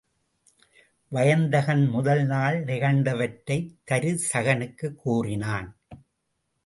வயந்தகன் முதல் நாள் நிகழ்ந்தவற்றைத் தருசகனுக்குக் கூறினான்.